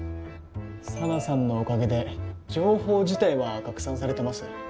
紗菜さんのおかげで情報自体は拡散されてます。